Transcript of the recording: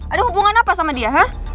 ada hubungan apa sama dia